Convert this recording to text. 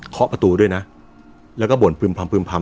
ขอประตูด้วยนะแล้วก็บ่นพึ่มพำพึ่มพำ